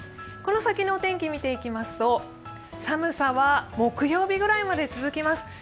この先のお天気見ていきますと寒さは木曜日ぐらいまで続きます。